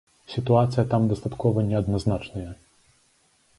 Сітуацыя там дастаткова неадназначная.